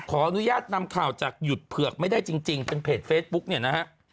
ขออนุญาตนำข่าวจากหยุดเผือกไม่ได้จริงเป็นเพจเฟซบุ๊กเนี่ยนะฮะ